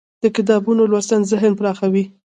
د کتابونو لوستل ذهن پراخوي.